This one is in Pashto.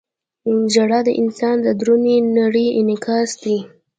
• ژړا د انسان د دروني نړۍ انعکاس دی.